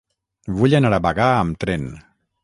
Vull anar a Bagà amb tren.